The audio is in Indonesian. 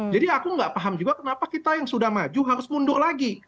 jadi aku tidak paham juga kenapa kita yang sudah maju harus mundur lagi